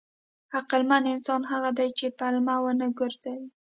عقلمن انسان هغه دی چې پلمه ونه ګرځوي.